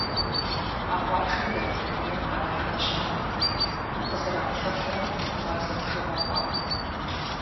А къуажэри яубыдыным къэнэжа щыӀэтэкъым – къызэраувыхьрэ мазэ бжыгъэ хъуат.